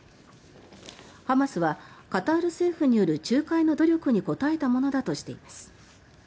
ハマスは、カタール政府による仲介の努力に応えたものだとしています。